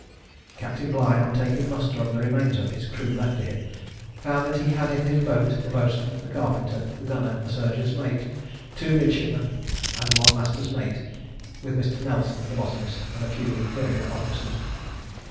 Captain Bligh on taking muster of the remains of his crew left to him, found that he had in his boat the boatswain, the carpenter, the gunner, the surgeon's mate, two midshipmen, and one master's mate, with Mr. Nelson the botanist, and a few inferior officers.